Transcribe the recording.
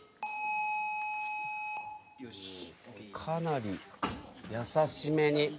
かなり優しめに。